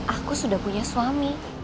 aku sudah punya suami